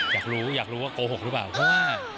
อยากรู้อยากรู้ว่าโกหกหรือเปล่าเพราะว่า